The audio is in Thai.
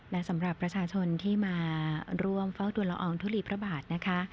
และสำหรับประชาชนที่มาร่วมเฝ้าทุนละอองทุลีพระบาทนะคะ